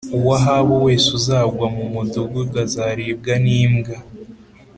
Uwa Ahabu wese uzagwa mu mudugudu azaribwa n’imbwa